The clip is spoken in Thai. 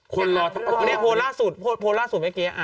คนรออันนี้โพลล่าสุดโพลล่าสุดเมื่อกี้อะอ่ะ